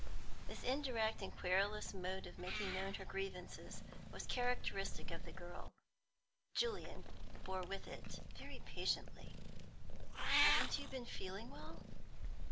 This indirect and querulous mode of making known her grievances was characteristic of the girl. Julian bore with it very patiently. "Haven't you been feeling well?"